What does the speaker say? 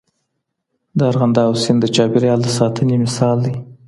د ارغنداب سیند د چاپېریال د ساتنې مثال دی.